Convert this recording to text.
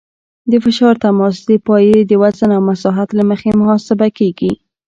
د فشار تماس د پایې د وزن او مساحت له مخې محاسبه کیږي